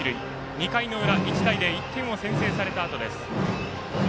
２回の裏、１対０１点を先制されたあとです。